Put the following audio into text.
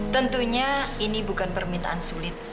tentunya ini bukan permintaan sulit